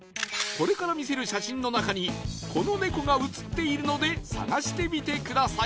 これから見せる写真の中にこのネコが写っているので探してみてください